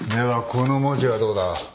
この文字はどうだ？